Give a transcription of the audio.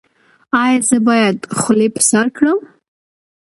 ایا زه باید خولۍ په سر کړم؟